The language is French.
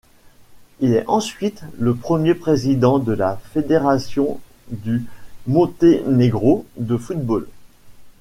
Il est ensuite le premier président de la Fédération du Monténégro de football.